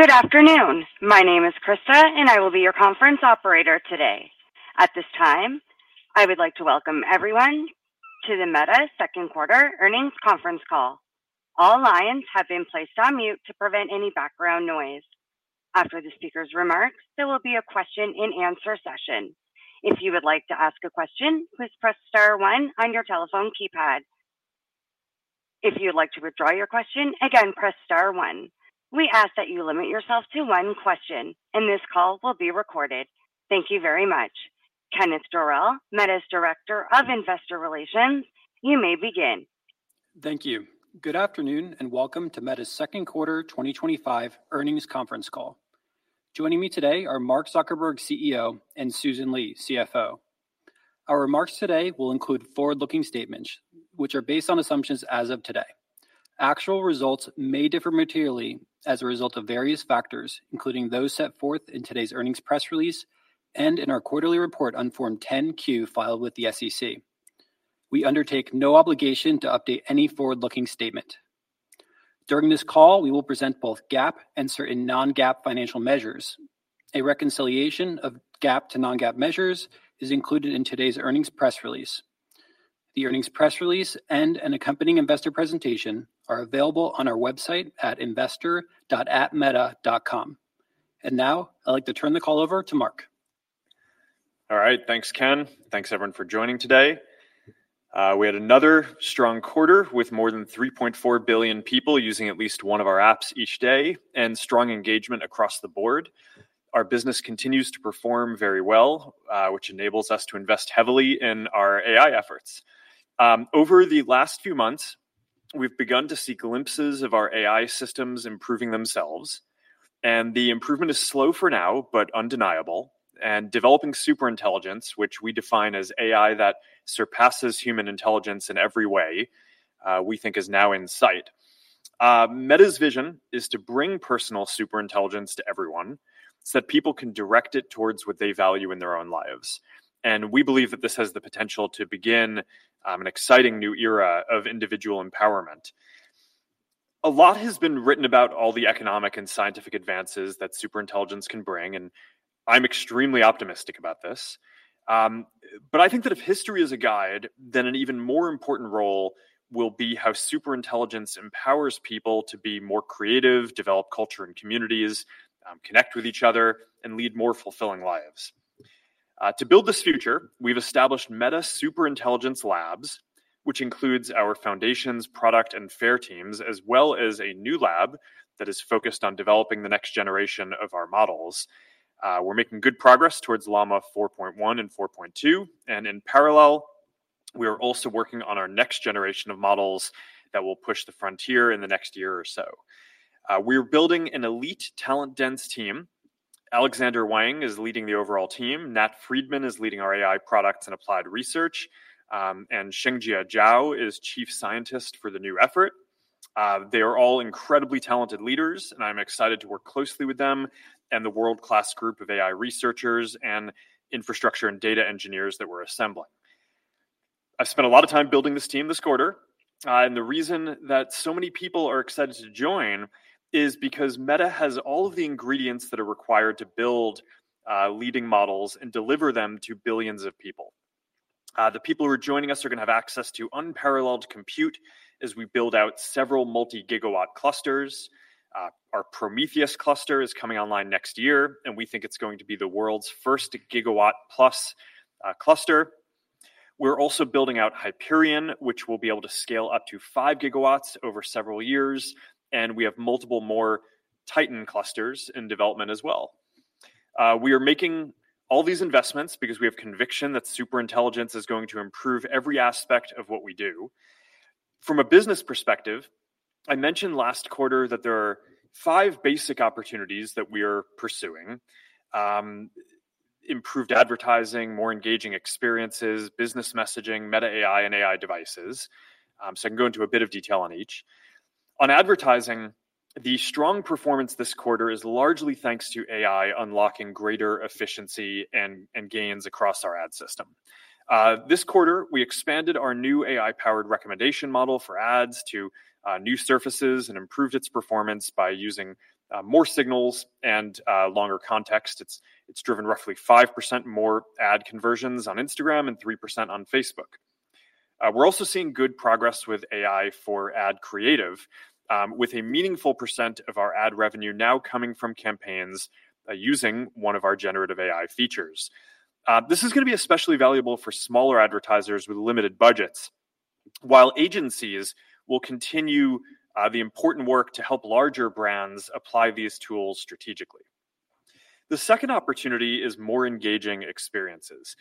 Good afternoon. My name is Krista, and I will be your conference operator today. At this time, I would like to welcome everyone to the Meta Second Quarter Earnings Conference Call. All lines have been placed on mute to prevent any background noise. After the speaker's remarks, there will be a question-and-answer session. If you would like to ask a question, please press star one on your telephone keypad. If you would like to withdraw your question, again, press star one. We ask that you limit yourself to one question. This call will be recorded. Thank you very much. Kenneth Dorell, Meta's Director of Investor Relations, you may begin. Thank you. Good afternoon and welcome to Meta's Second Quarter 2025 Earnings Conference Call. Joining me today are Mark Zuckerberg, CEO, and Susan Li, CFO. Our remarks today will include forward-looking statements, which are based on assumptions as of today. Actual results may differ materially as a result of various factors, including those set forth in today's earnings press release and in our quarterly report on Form 10-Q filed with the SEC. We undertake no obligation to update any forward-looking statement. During this call, we will present both GAAP and certain non-GAAP financial measures. A reconciliation of GAAP to non-GAAP measures is included in today's earnings press release. The earnings press release and an accompanying investor presentation are available on our website at investor.atmeta.com. I would like to turn the call over to Mark. All right. Thanks, Ken. Thanks, everyone, for joining today. We had another strong quarter with more than 3.4 billion people using at least one of our apps each day and strong engagement across the board. Our business continues to perform very well, which enables us to invest heavily in our AI efforts. Over the last few months, we've begun to see glimpses of our AI systems improving themselves. The improvement is slow for now, but undeniable. Developing superintelligence, which we define as AI that surpasses human intelligence in every way, we think is now in sight. Meta's vision is to bring personal superintelligence to everyone so that people can direct it towards what they value in their own lives. We believe that this has the potential to begin an exciting new era of individual empowerment. A lot has been written about all the economic and scientific advances that superintelligence can bring, and I'm extremely optimistic about this. I think that if history is a guide, then an even more important role will be how superintelligence empowers people to be more creative, develop culture and communities, connect with each other, and lead more fulfilling lives. To build this future, we've established Meta Superintelligence Labs, which includes our foundations, product, and FAIR teams, as well as a new lab that is focused on developing the next generation of our models. We're making good progress towards Llama 4.1 and 4.2. In parallel, we are also working on our next generation of models that will push the frontier in the next year or so. We are building an elite, talent-dense team. Alexander Wang is leading the overall team. Nat Friedman is leading our AI products and applied research. Shengjia Zhao is chief scientist for the new effort. They are all incredibly talented leaders, and I'm excited to work closely with them and the world-class group of AI researchers and infrastructure and data engineers that we're assembling. I've spent a lot of time building this team this quarter. The reason that so many people are excited to join is because Meta has all of the ingredients that are required to build leading models and deliver them to billions of people. The people who are joining us are going to have access to unparalleled compute as we build out several multi-gigawatt clusters. Our Prometheus cluster is coming online next year, and we think it's going to be the world's first gigawatt-plus cluster. We're also building out Hyperion, which will be able to scale up to 5 GW over several years. We have multiple more Titan clusters in development as well. We are making all these investments because we have conviction that superintelligence is going to improve every aspect of what we do. From a business perspective, I mentioned last quarter that there are five basic opportunities that we are pursuing: improved advertising, more engaging experiences, business messaging, Meta AI, and AI devices. I can go into a bit of detail on each. On advertising, the strong performance this quarter is largely thanks to AI unlocking greater efficiency and gains across our ad system. This quarter, we expanded our new AI-powered recommendation model for ads to new surfaces and improved its performance by using more signals and longer context. It's driven roughly 5% more ad conversions on Instagram and 3% on Facebook. We're also seeing good progress with AI for ad creative, with a meaningful percent of our ad revenue now coming from campaigns using one of our generative AI features. This is going to be especially valuable for smaller advertisers with limited budgets, while agencies will continue the important work to help larger brands apply these tools strategically. The second opportunity is more engaging experiences.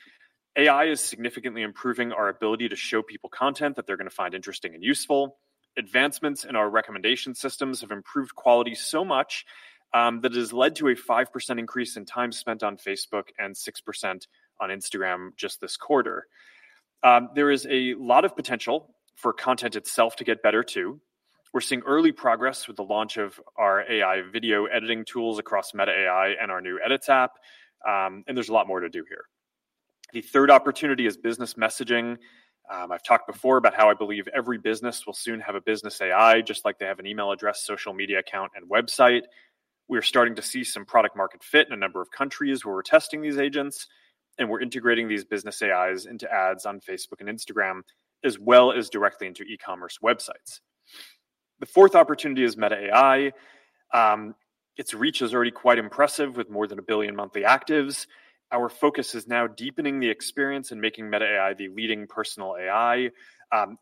AI is significantly improving our ability to show people content that they're going to find interesting and useful. Advancements in our recommendation systems have improved quality so much that it has led to a 5% increase in time spent on Facebook and 6% on Instagram just this quarter. There is a lot of potential for content itself to get better, too. We're seeing early progress with the launch of our AI video editing tools across Meta AI and our new Edits app. There is a lot more to do here. The third opportunity is business messaging. I've talked before about how I believe every business will soon have a business AI, just like they have an email address, social media account, and website. We are starting to see some product-market fit in a number of countries where we're testing these agents. We are integrating these business AIs into ads on Facebook and Instagram, as well as directly into e-commerce websites. The fourth opportunity is Meta AI. Its reach is already quite impressive, with more than a billion monthly actives. Our focus is now deepening the experience and making Meta AI the leading personal AI.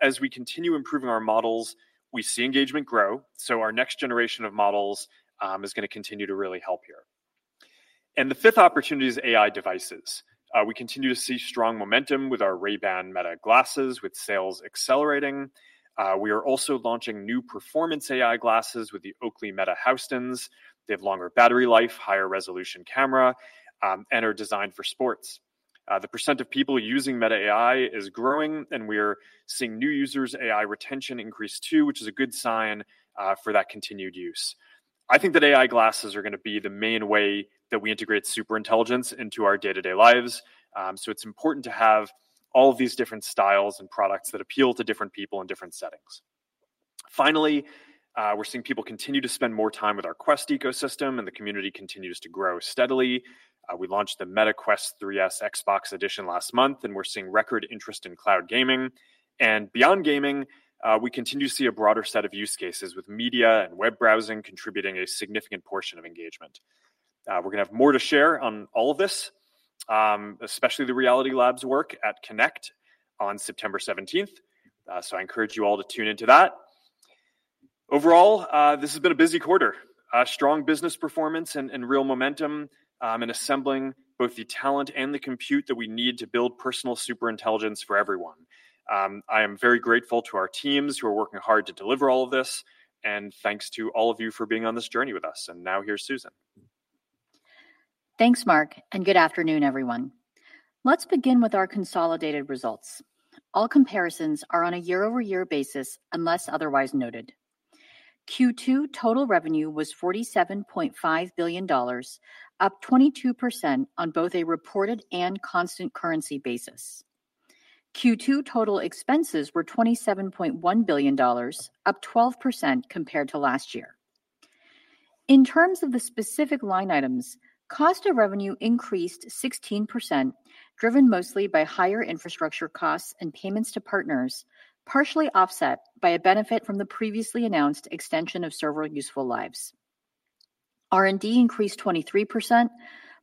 As we continue improving our models, we see engagement grow. Our next generation of models is going to continue to really help here. The fifth opportunity is AI devices. We continue to see strong momentum with our Ray-Ban Meta glasses, with sales accelerating. We are also launching new performance AI glasses with the Oakley Meta HSTNs. They have longer battery life, higher resolution camera, and are designed for sports. The percent of people using Meta AI is growing, and we are seeing new users' AI retention increase, too, which is a good sign for that continued use. I think that AI glasses are going to be the main way that we integrate superintelligence into our day-to-day lives. It is important to have all of these different styles and products that appeal to different people in different settings. Finally, we are seeing people continue to spend more time with our Quest ecosystem, and the community continues to grow steadily. We launched the Meta Quest 3S Xbox Edition last month, and we're seeing record interest in cloud gaming. Beyond gaming, we continue to see a broader set of use cases, with media and web browsing contributing a significant portion of engagement. We are going to have more to share on all of this, especially the Reality Labs work at Connect on September 17th. I encourage you all to tune into that. Overall, this has been a busy quarter: strong business performance and real momentum in assembling both the talent and the compute that we need to build personal superintelligence for everyone. I am very grateful to our teams who are working hard to deliver all of this. Thanks to all of you for being on this journey with us. Now, here's Susan. Thanks, Mark. Good afternoon, everyone. Let's begin with our consolidated results. All comparisons are on a year-over-year basis, unless otherwise noted. Q2 total revenue was $47.5 billion, up 22% on both a reported and constant currency basis. Q2 total expenses were $27.1 billion, up 12% compared to last year. In terms of the specific line items, cost of revenue increased 16%, driven mostly by higher infrastructure costs and payments to partners, partially offset by a benefit from the previously announced extension of server useful lives. R&D increased 23%,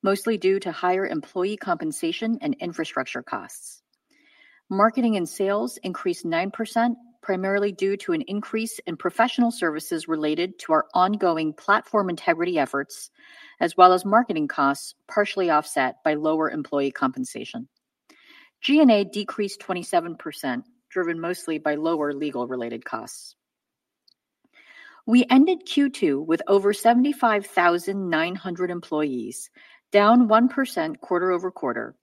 mostly due to higher employee compensation and infrastructure costs. Marketing and sales increased 9%, primarily due to an increase in professional services related to our ongoing platform integrity efforts, as well as marketing costs partially offset by lower employee compensation. G&A decreased 27%, driven mostly by lower legal-related costs. We ended Q2 with over 75,900 employees, down 1% quarter-over-quarter,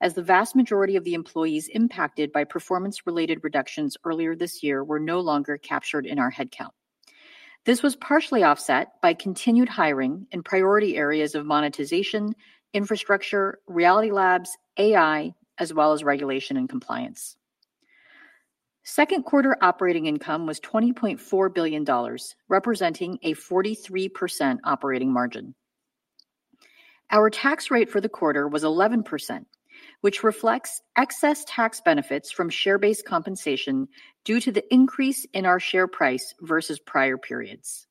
as the vast majority of the employees impacted by performance-related reductions earlier this year were no longer captured in our headcount. This was partially offset by continued hiring in priority areas of monetization, infrastructure, Reality Labs, AI, as well as regulation and compliance. Second quarter operating income was $20.4 billion, representing a 43% operating margin. Our tax rate for the quarter was 11%, which reflects excess tax benefits from share-based compensation due to the increase in our share price versus prior periods.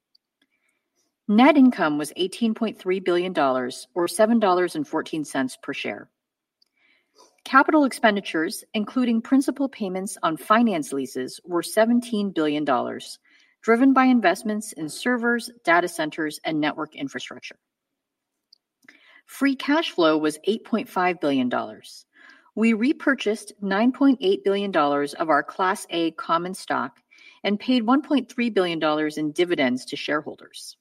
Net income was $18.3 billion, or $7.14 per share. Capital expenditures, including principal payments on finance leases, were $17 billion, driven by investments in servers, data centers, and network infrastructure. Free cash flow was $8.5 billion. We repurchased $9.8 billion of our Class A common stock and paid $1.3 billion in dividends to shareholders.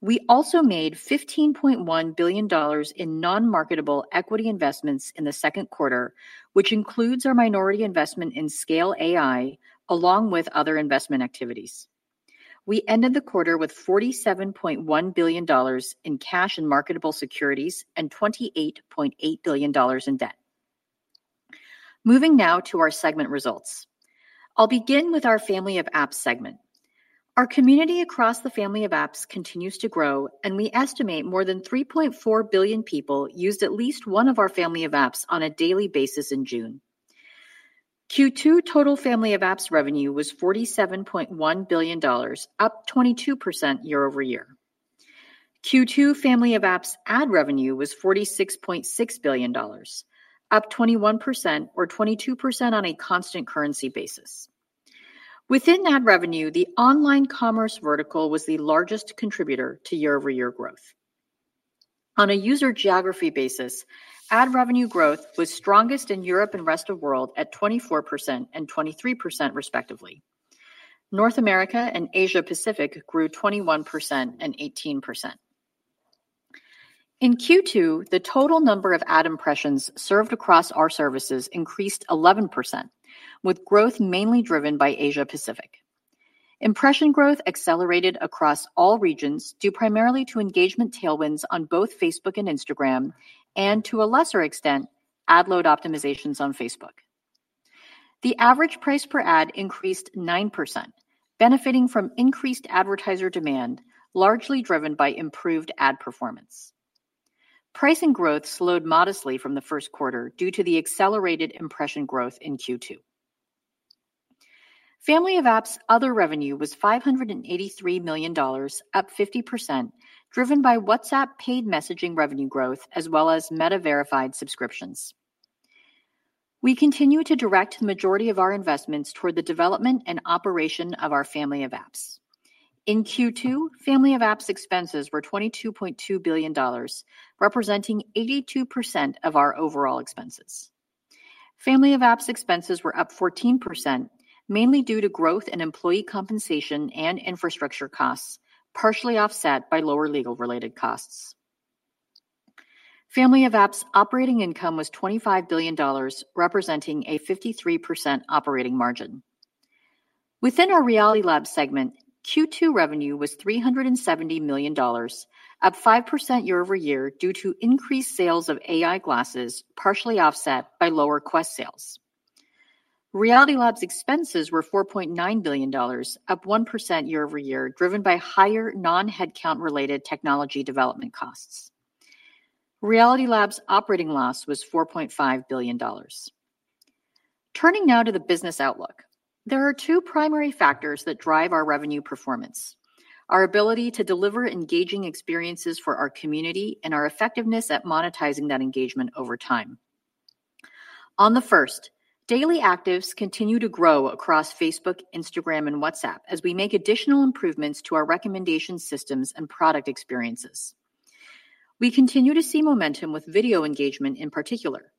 We also made $15.1 billion in non-marketable equity investments in the second quarter, which includes our minority investment in Scale AI, along with other investment activities. We ended the quarter with $47.1 billion in cash and marketable securities and $28.8 billion in debt. Moving now to our segment results. I'll begin with our family of apps segment. Our community across the family of apps continues to grow, and we estimate more than 3.4 billion people used at least one of our family of apps on a daily basis in June. Q2 total family of apps revenue was $47.1 billion, up 22% year-over-year. Q2 family of apps ad revenue was $46.6 billion, up 21%, or 22% on a constant currency basis. Within ad revenue, the online commerce vertical was the largest contributor to year-over-year growth. On a user geography basis, ad revenue growth was strongest in Europe and the rest of the world at 24% and 23%, respectively. North America and Asia-Pacific grew 21% and 18%. In Q2, the total number of ad impressions served across our services increased 11%, with growth mainly driven by Asia-Pacific. Impression growth accelerated across all regions due primarily to engagement tailwinds on both Facebook and Instagram and, to a lesser extent, ad load optimizations on Facebook. The average price per ad increased 9%, benefiting from increased advertiser demand, largely driven by improved ad performance. Pricing growth slowed modestly from the first quarter due to the accelerated impression growth in Q2. Family of apps other revenue was $583 million, up 50%, driven by WhatsApp paid messaging revenue growth, as well as Meta-verified subscriptions. We continue to direct the majority of our investments toward the development and operation of our family of apps. In Q2, family of apps expenses were $22.2 billion, representing 82% of our overall expenses. Family of apps expenses were up 14%, mainly due to growth in employee compensation and infrastructure costs, partially offset by lower legal-related costs. Family of apps operating income was $25 billion, representing a 53% operating margin. Within our Reality Labs segment, Q2 revenue was $370 million, up 5% year-over-year due to increased sales of AI glasses, partially offset by lower Quest sales. Reality Labs expenses were $4.9 billion, up 1% year-over-year, driven by higher non-headcount-related technology development costs. Reality Labs operating loss was $4.5 billion. Turning now to the business outlook, there are two primary factors that drive our revenue performance: our ability to deliver engaging experiences for our community and our effectiveness at monetizing that engagement over time. On the first, daily actives continue to grow across Facebook, Instagram, and WhatsApp as we make additional improvements to our recommendation systems and product experiences. We continue to see momentum with video engagement in particular.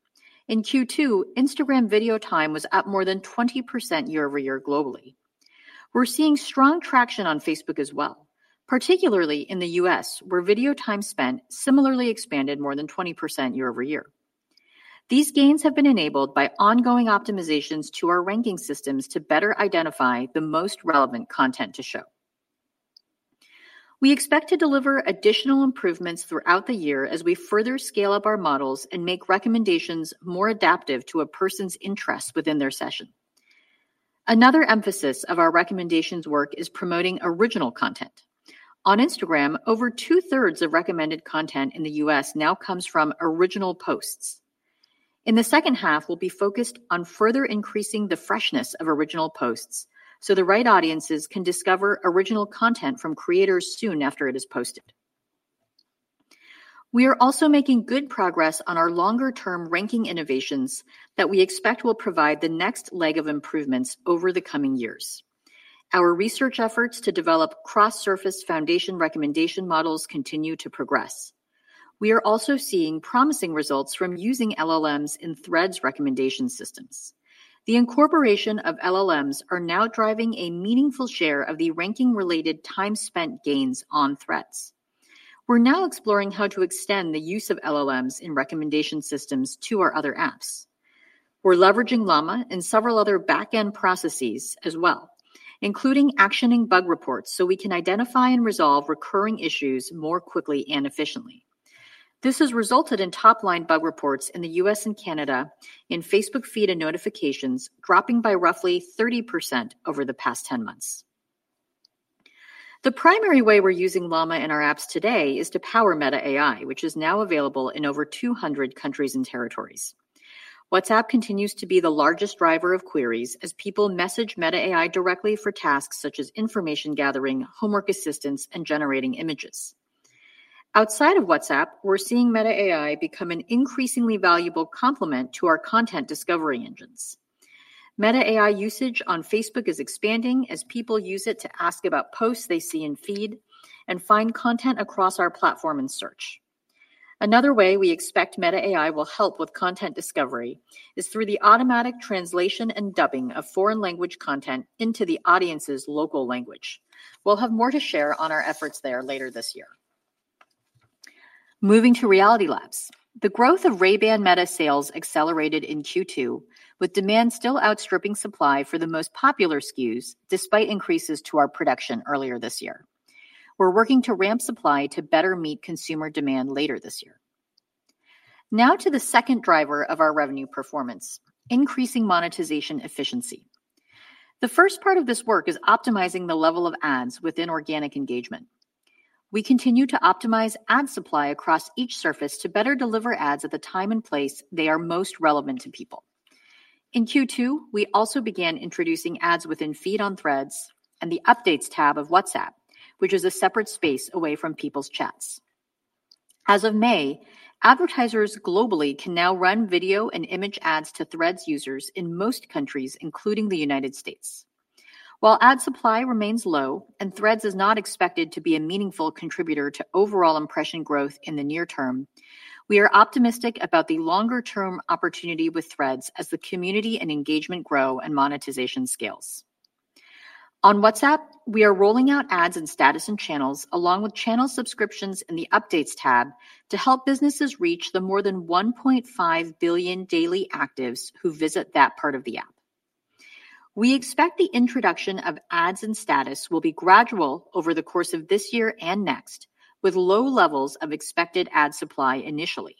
In Q2, Instagram video time was up more than 20% year-over-year globally. We're seeing strong traction on Facebook as well, particularly in the U.S., where video time spent similarly expanded more than 20% year-over-year. These gains have been enabled by ongoing optimizations to our ranking systems to better identify the most relevant content to show. We expect to deliver additional improvements throughout the year as we further scale up our models and make recommendations more adaptive to a person's interests within their session. Another emphasis of our recommendations work is promoting original content. On Instagram, over 2/3 of recommended content in the U.S. now comes from original posts. In the second half, we'll be focused on further increasing the freshness of original posts so the right audiences can discover original content from creators soon after it is posted. We are also making good progress on our longer-term ranking innovations that we expect will provide the next leg of improvements over the coming years. Our research efforts to develop cross-surface foundation recommendation models continue to progress. We are also seeing promising results from using LLMs in Threads recommendation systems. The incorporation of LLMs is now driving a meaningful share of the ranking-related time spent gains on Threads. We're now exploring how to extend the use of LLMs in recommendation systems to our other apps. We're leveraging Llama and several other back-end processes as well, including actioning bug reports so we can identify and resolve recurring issues more quickly and efficiently. This has resulted in top-line bug reports in the U.S. and Canada in Facebook feed and notifications dropping by roughly 30% over the past 10 months. The primary way we're using Llama in our apps today is to power Meta AI, which is now available in over 200 countries and territories. WhatsApp continues to be the largest driver of queries as people message Meta AI directly for tasks such as information gathering, homework assistance, and generating images. Outside of WhatsApp, we're seeing Meta AI become an increasingly valuable complement to our content discovery engines. Meta AI usage on Facebook is expanding as people use it to ask about posts they see in feed and find content across our platform and search. Another way we expect Meta AI will help with content discovery is through the automatic translation and dubbing of foreign language content into the audience's local language. We'll have more to share on our efforts there later this year. Moving to Reality Labs. The growth of Ray-Ban Meta sales accelerated in Q2, with demand still outstripping supply for the most popular SKUs, despite increases to our production earlier this year. We're working to ramp supply to better meet consumer demand later this year. Now to the second driver of our revenue performance: increasing monetization efficiency. The first part of this work is optimizing the level of ads within organic engagement. We continue to optimize ad supply across each surface to better deliver ads at the time and place they are most relevant to people. In Q2, we also began introducing ads within feed on Threads and the Updates tab of WhatsApp, which is a separate space away from people's chats. As of May, advertisers globally can now run video and image ads to Threads users in most countries, including the United States. While ad supply remains low and Threads is not expected to be a meaningful contributor to overall impression growth in the near term, we are optimistic about the longer-term opportunity with Threads as the community and engagement grow and monetization scales. On WhatsApp, we are rolling out ads in status and channels, along with channel subscriptions in the Updates tab, to help businesses reach the more than 1.5 billion daily actives who visit that part of the app. We expect the introduction of ads in status will be gradual over the course of this year and next, with low levels of expected ad supply initially.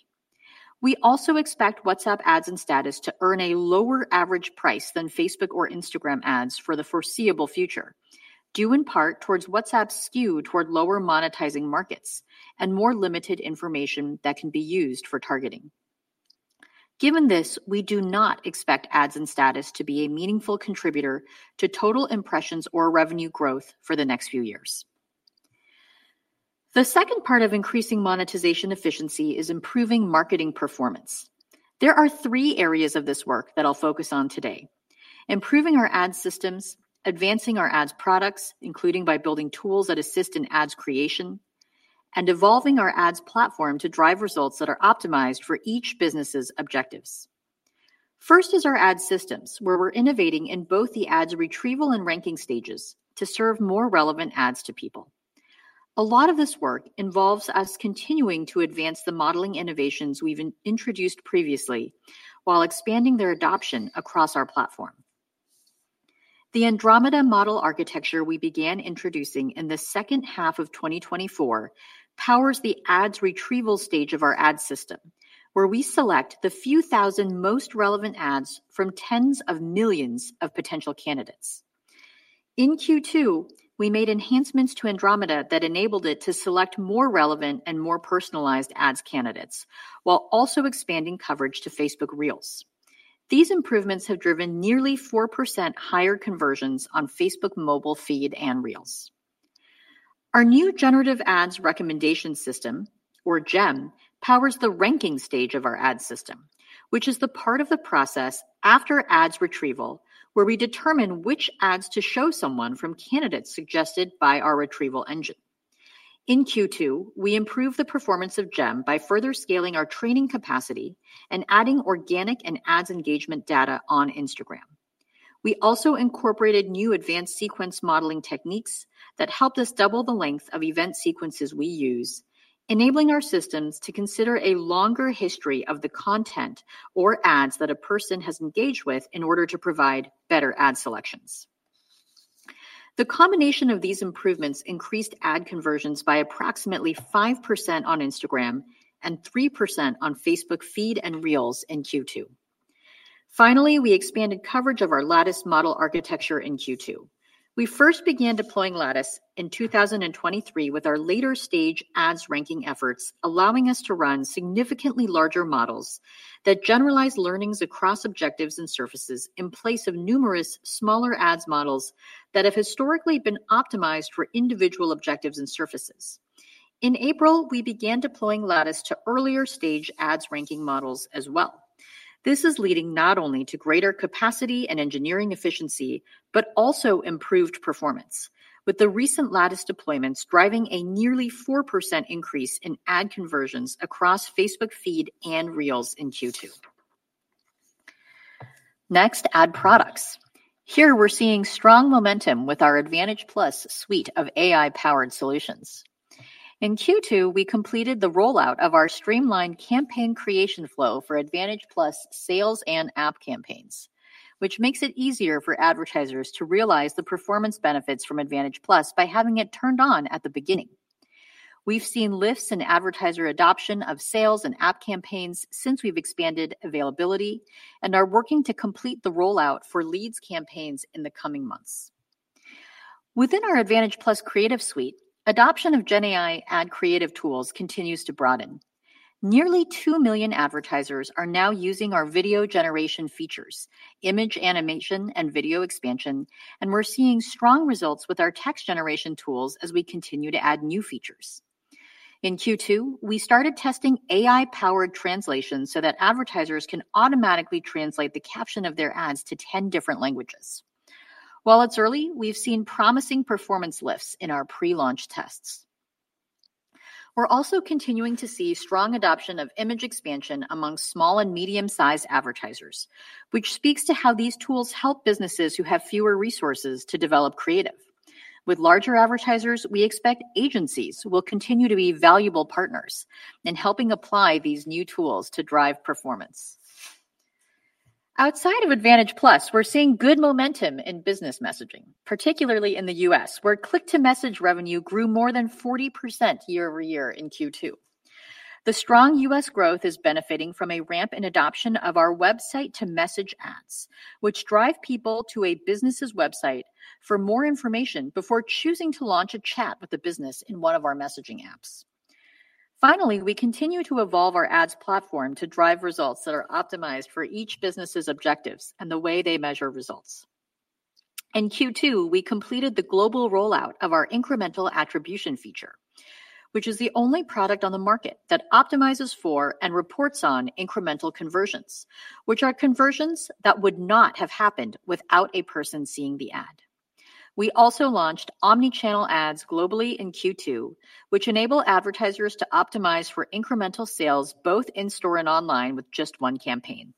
We also expect WhatsApp ads in status to earn a lower average price than Facebook or Instagram ads for the foreseeable future, due in part to WhatsApp's skew toward lower monetizing markets and more limited information that can be used for targeting. Given this, we do not expect ads in status to be a meaningful contributor to total impressions or revenue growth for the next few years. The second part of increasing monetization efficiency is improving marketing performance. There are three areas of this work that I'll focus on today: improving our ad systems, advancing our ads products, including by building tools that assist in ads creation, and evolving our ads platform to drive results that are optimized for each business's objectives. First is our ad systems, where we're innovating in both the ads retrieval and ranking stages to serve more relevant ads to people. A lot of this work involves us continuing to advance the modeling innovations we've introduced previously while expanding their adoption across our platform. The Andromeda model architecture we began introducing in the second half of 2024 powers the ads retrieval stage of our ad system, where we select the few thousand most relevant ads from tens of millions of potential candidates. In Q2, we made enhancements to Andromeda that enabled it to select more relevant and more personalized ads candidates, while also expanding coverage to Facebook Reels. These improvements have driven nearly 4% higher conversions on Facebook mobile feed and Reels. Our new Generative Ads Recommendation system, or GEM, powers the ranking stage of our ad system, which is the part of the process after ads retrieval where we determine which ads to show someone from candidates suggested by our retrieval engine. In Q2, we improved the performance of GEM by further scaling our training capacity and adding organic and ads engagement data on Instagram. We also incorporated new advanced sequence modeling techniques that helped us double the length of event sequences we use, enabling our systems to consider a longer history of the content or ads that a person has engaged with in order to provide better ad selections. The combination of these improvements increased ad conversions by approximately 5% on Instagram and 3% on Facebook feed and Reels in Q2. Finally, we expanded coverage of our Lattice model architecture in Q2. We first began deploying Lattice in 2023 with our later stage ads ranking efforts, allowing us to run significantly larger models that generalize learnings across objectives and surfaces in place of numerous smaller ads models that have historically been optimized for individual objectives and surfaces. In April, we began deploying Lattice to earlier stage ads ranking models as well. This is leading not only to greater capacity and engineering efficiency, but also improved performance, with the recent Lattice deployments driving a nearly 4% increase in ad conversions across Facebook feed and Reels in Q2. Next, ad products. Here we're seeing strong momentum with our Advantage+ suite of AI-powered solutions. In Q2, we completed the rollout of our streamlined campaign creation flow for Advantage+ sales and app campaigns, which makes it easier for advertisers to realize the performance benefits from Advantage+ by having it turned on at the beginning. We've seen lifts in advertiser adoption of sales and app campaigns since we've expanded availability and are working to complete the rollout for leads campaigns in the coming months. Within our Advantage+ creative suite, adoption of GenAI ad creative tools continues to broaden. Nearly 2 million advertisers are now using our video generation features, image animation, and video expansion, and we're seeing strong results with our text generation tools as we continue to add new features. In Q2, we started testing AI-powered translation so that advertisers can automatically translate the caption of their ads to 10 different languages. While it's early, we've seen promising performance lifts in our pre-launch tests. We're also continuing to see strong adoption of image expansion among small and medium-sized advertisers, which speaks to how these tools help businesses who have fewer resources to develop creative. With larger advertisers, we expect agencies will continue to be valuable partners in helping apply these new tools to drive performance. Outside of Advantage+, we're seeing good momentum in business messaging, particularly in the U.S., where click-to-message revenue grew more than 40% year-over-year in Q2. The strong U.S. growth is benefiting from a ramp in adoption of our website-to-message ads, which drive people to a business's website for more information before choosing to launch a chat with a business in one of our messaging apps. Finally, we continue to evolve our ads platform to drive results that are optimized for each business's objectives and the way they measure results. In Q2, we completed the global rollout of our incremental attribution feature, which is the only product on the market that optimizes for and reports on incremental conversions, which are conversions that would not have happened without a person seeing the ad. We also launched omnichannel ads globally in Q2, which enable advertisers to optimize for incremental sales both in store and online with just one campaign.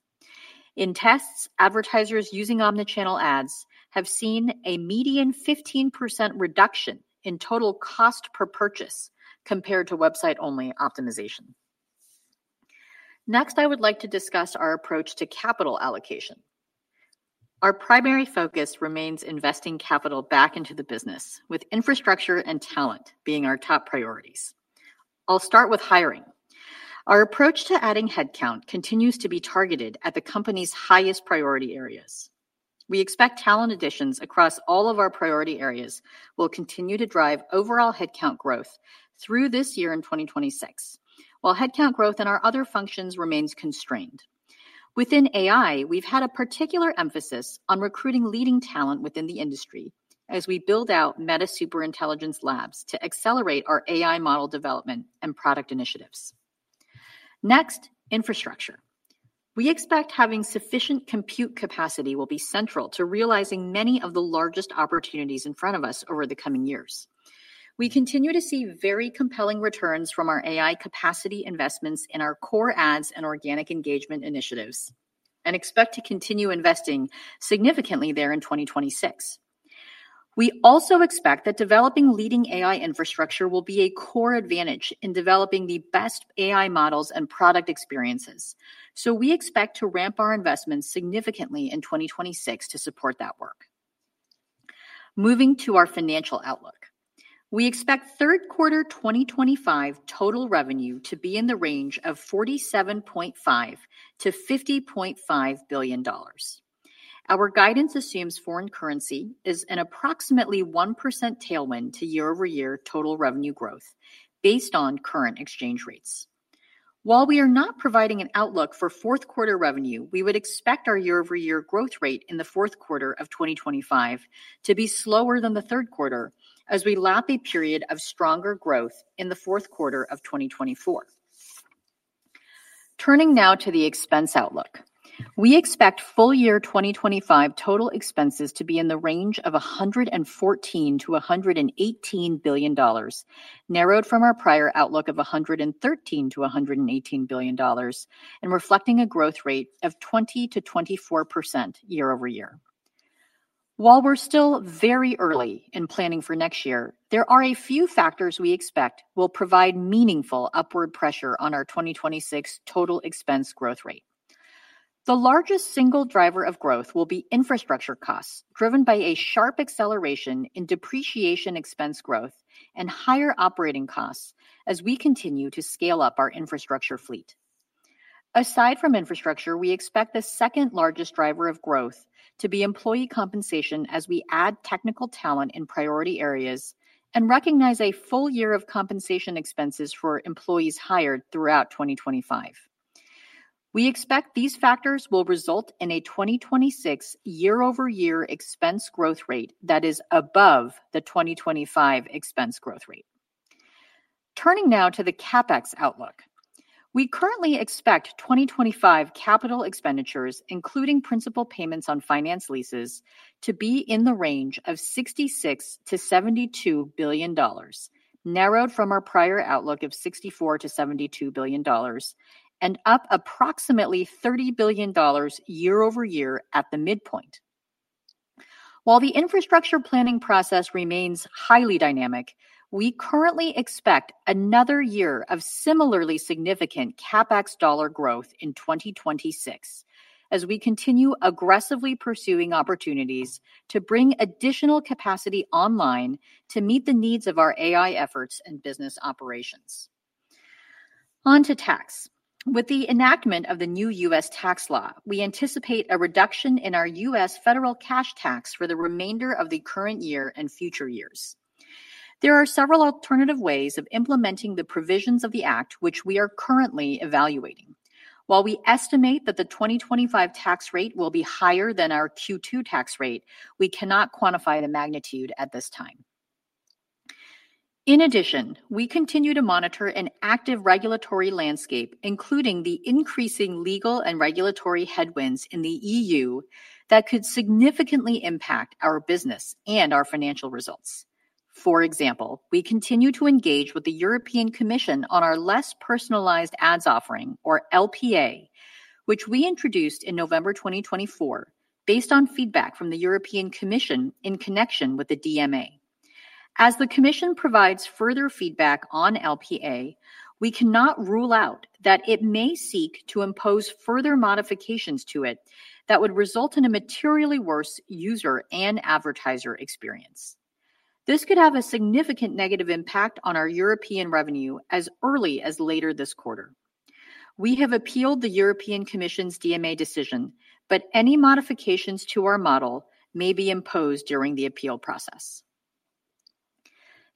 In tests, advertisers using omnichannel ads have seen a median 15% reduction in total cost per purchase compared to website-only optimization. Next, I would like to discuss our approach to capital allocation. Our primary focus remains investing capital back into the business, with infrastructure and talent being our top priorities. I'll start with hiring. Our approach to adding headcount continues to be targeted at the company's highest priority areas. We expect talent additions across all of our priority areas will continue to drive overall headcount growth through this year in 2026, while headcount growth in our other functions remains constrained. Within AI, we've had a particular emphasis on recruiting leading talent within the industry as we build out Meta Superintelligence Labs to accelerate our AI model development and product initiatives. Next, infrastructure. We expect having sufficient compute capacity will be central to realizing many of the largest opportunities in front of us over the coming years. We continue to see very compelling returns from our AI capacity investments in our core ads and organic engagement initiatives and expect to continue investing significantly there in 2026. We also expect that developing leading AI infrastructure will be a core advantage in developing the best AI models and product experiences. We expect to ramp our investments significantly in 2026 to support that work. Moving to our financial outlook, we expect third quarter 2025 total revenue to be in the range of $47.5 billion-$50.5 billion. Our guidance assumes foreign currency is an approximately 1% tailwind to year-over-year total revenue growth based on current exchange rates. While we are not providing an outlook for fourth quarter revenue, we would expect our year-over-year growth rate in the fourth quarter of 2025 to be slower than the third quarter as we lap a period of stronger growth in the fourth quarter of 2024. Turning now to the expense outlook, we expect full year 2025 total expenses to be in the range of $114 billion-$118 billion, narrowed from our prior outlook of $113 billion-$118 billion and reflecting a growth rate of 20%-24% year-over-year. While we're still very early in planning for next year, there are a few factors we expect will provide meaningful upward pressure on our 2026 total expense growth rate. The largest single driver of growth will be infrastructure costs driven by a sharp acceleration in depreciation expense growth and higher operating costs as we continue to scale up our infrastructure fleet. Aside from infrastructure, we expect the second largest driver of growth to be employee compensation as we add technical talent in priority areas and recognize a full year of compensation expenses for employees hired throughout 2025. We expect these factors will result in a 2026 year-over-year expense growth rate that is above the 2025 expense growth rate. Turning now to the CapEx outlook, we currently expect 2025 capital expenditures, including principal payments on finance leases, to be in the range of $66 billion-$72 billion, narrowed from our prior outlook of $64 billion-$72 billion, and up approximately $30 billion year-over-year at the midpoint. While the infrastructure planning process remains highly dynamic, we currently expect another year of similarly significant CapEx dollar growth in 2026 as we continue aggressively pursuing opportunities to bring additional capacity online to meet the needs of our AI efforts and business operations. On to tax. With the enactment of the new U.S. tax law, we anticipate a reduction in our U.S. federal cash tax for the remainder of the current year and future years. There are several alternative ways of implementing the provisions of the act, which we are currently evaluating. While we estimate that the 2025 tax rate will be higher than our Q2 tax rate, we cannot quantify the magnitude at this time. In addition, we continue to monitor an active regulatory landscape, including the increasing legal and regulatory headwinds in the EU that could significantly impact our business and our financial results. For example, we continue to engage with the European Commission on our less-personalized ads offering, or LPA, which we introduced in November 2024 based on feedback from the European Commission in connection with the DMA. As the Commission provides further feedback on LPA, we cannot rule out that it may seek to impose further modifications to it that would result in a materially worse user and advertiser experience. This could have a significant negative impact on our European revenue as early as later this quarter. We have appealed the European Commission's DMA decision, but any modifications to our model may be imposed during the appeal process.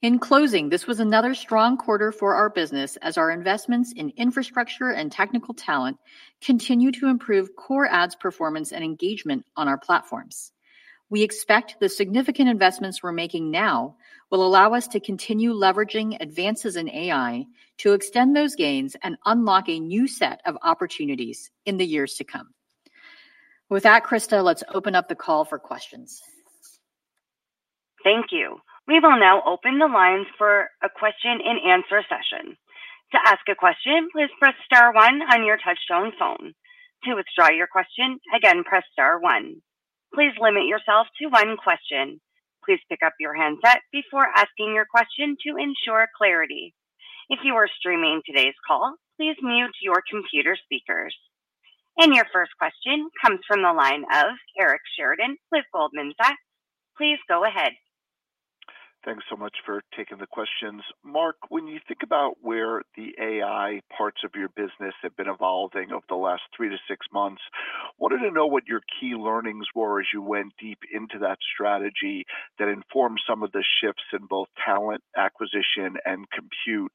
In closing, this was another strong quarter for our business as our investments in infrastructure and technical talent continue to improve core ads performance and engagement on our platforms. We expect the significant investments we're making now will allow us to continue leveraging advances in AI to extend those gains and unlock a new set of opportunities in the years to come. With that, Krista, let's open up the call for questions. Thank you. We will now open the lines for a question-and-answer session. To ask a question, please press star one on your touch-tone phone. To withdraw your question, again, press star one. Please limit yourself to one question. Please pick up your handset before asking your question to ensure clarity. If you are streaming today's call, please mute your computer speakers. Your first question comes from the line of Eric Sheridan with Goldman Sachs. Please go ahead. Thanks so much for taking the questions. Mark, when you think about where the AI parts of your business have been evolving over the last three to six months, I wanted to know what your key learnings were as you went deep into that strategy that informed some of the shifts in both talent acquisition and compute,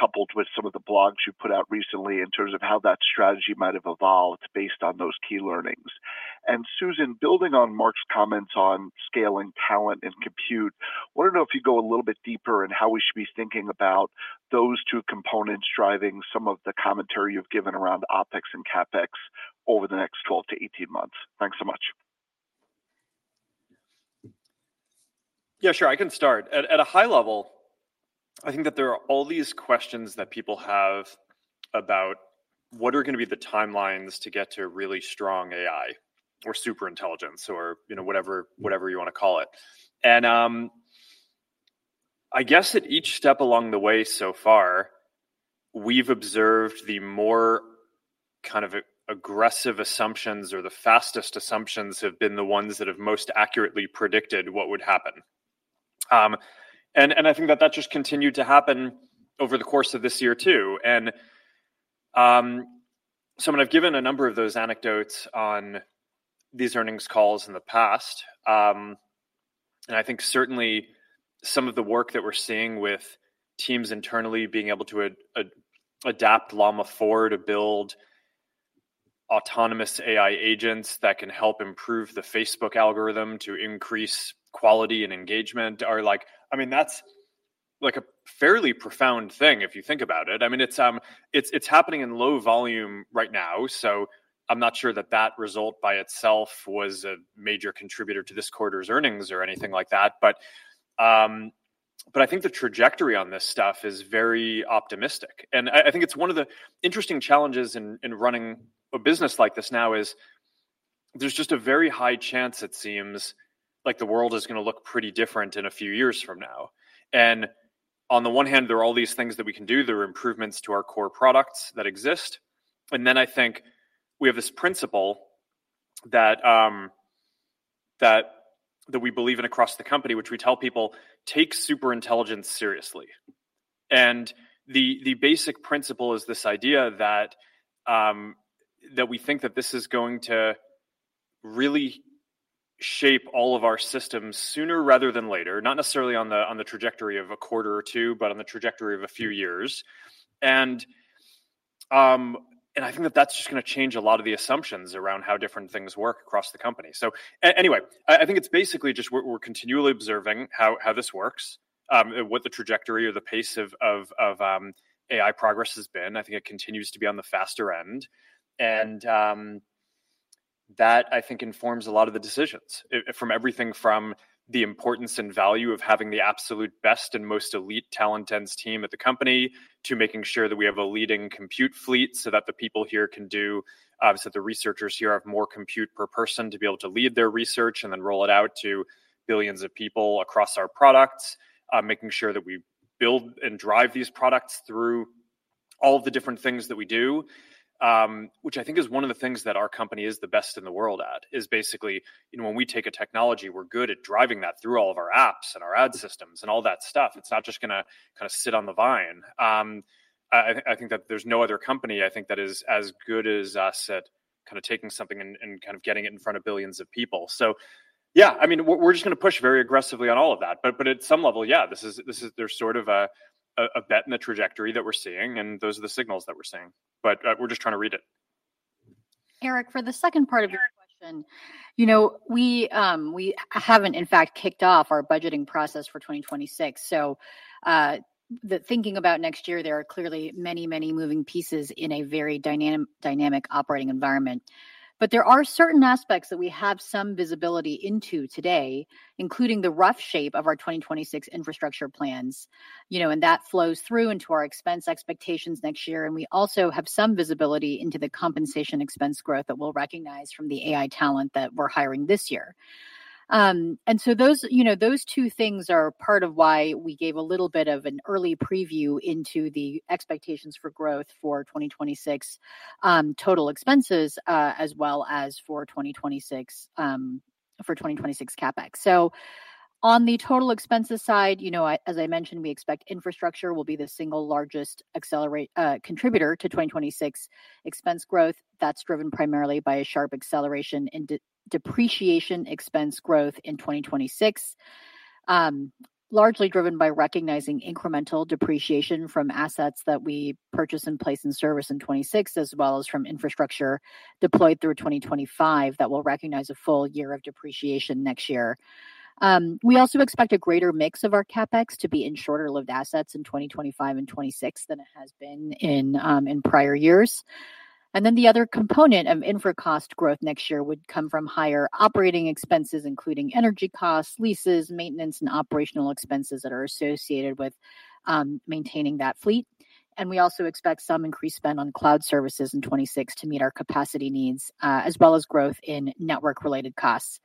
coupled with some of the blogs you put out recently in terms of how that strategy might have evolved based on those key learnings. Susan, building on Mark's comments on scaling talent and compute, I want to know if you'd go a little bit deeper in how we should be thinking about those two components driving some of the commentary you've given around OpEx and CapEx over the next 12 to 18 months. Thanks so much. Yeah, sure, I can start. At a high level, I think that there are all these questions that people have about what are going to be the timelines to get to really strong AI or superintelligence or whatever you want to call it. I guess at each step along the way so far, we've observed the more kind of aggressive assumptions or the fastest assumptions have been the ones that have most accurately predicted what would happen. I think that that just continued to happen over the course of this year too. I've given a number of those anecdotes on these earnings calls in the past. I think certainly some of the work that we're seeing with teams internally being able to adapt Llama 4 to build autonomous AI agents that can help improve the Facebook algorithm to increase quality and engagement are like, I mean, that's like a fairly profound thing if you think about it. I mean, it's happening in low volume right now. I'm not sure that that result by itself was a major contributor to this quarter's earnings or anything like that. I think the trajectory on this stuff is very optimistic. I think it's one of the interesting challenges in running a business like this now is there's just a very high chance it seems like the world is going to look pretty different in a few years from now. On the one hand, there are all these things that we can do. There are improvements to our core products that exist. I think we have this principle that we believe in across the company, which we tell people, take superintelligence seriously. The basic principle is this idea that we think that this is going to really shape all of our systems sooner rather than later, not necessarily on the trajectory of a quarter or two, but on the trajectory of a few years. I think that is just going to change a lot of the assumptions around how different things work across the company. Anyway, I think it is basically just we are continually observing how this works, what the trajectory or the pace of AI progress has been. I think it continues to be on the faster end. I think that informs a lot of the decisions from everything from the importance and value of having the absolute best and most elite talent-dense team at the company to making sure that we have a leading compute fleet so that the people here can do, obviously, the researchers here have more compute per person to be able to lead their research and then roll it out to billions of people across our products, making sure that we build and drive these products through all of the different things that we do, which I think is one of the things that our company is the best in the world at. Basically, when we take a technology, we're good at driving that through all of our apps and our ad systems and all that stuff. It's not just going to kind of sit on the vine. I think that there's no other company, I think, that is as good as us at kind of taking something and kind of getting it in front of billions of people. So yeah, I mean, we're just going to push very aggressively on all of that. At some level, yeah, this is there's sort of a bet in the trajectory that we're seeing, and those are the signals that we're seeing. We're just trying to read it. Eric, for the second part of your question, we haven't, in fact, kicked off our budgeting process for 2026. Thinking about next year, there are clearly many, many moving pieces in a very dynamic operating environment. There are certain aspects that we have some visibility into today, including the rough shape of our 2026 infrastructure plans. That flows through into our expense expectations next year. We also have some visibility into the compensation expense growth that we'll recognize from the AI talent that we're hiring this year. Those two things are part of why we gave a little bit of an early preview into the expectations for growth for 2026 total expenses as well as for 2026 CapEx. On the total expenses side, as I mentioned, we expect infrastructure will be the single largest contributor to 2026 expense growth. That is driven primarily by a sharp acceleration in depreciation expense growth in 2026, largely driven by recognizing incremental depreciation from assets that we purchase in place and service in 2026, as well as from infrastructure deployed through 2025 that will recognize a full year of depreciation next year. We also expect a greater mix of our CapEx to be in shorter-lived assets in 2025 and 2026 than it has been in prior years. The other component of infra cost growth next year would come from higher operating expenses, including energy costs, leases, maintenance, and operational expenses that are associated with maintaining that fleet. We also expect some increased spend on cloud services in 2026 to meet our capacity needs, as well as growth in network-related costs.